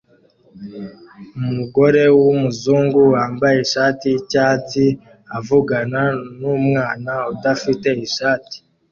Umugore wumuzungu wambaye ishati yicyatsi avugana numwana udafite ishati